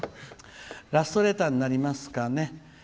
ラストレターになりますかね。